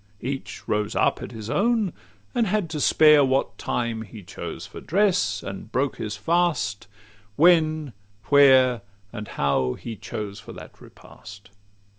Each rose up at his own, and had to spare What time he chose for dress, and broke his fast When, where, and how he chose for that repast.